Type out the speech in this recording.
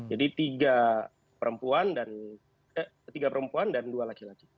jadi tiga perempuan dan dua laki laki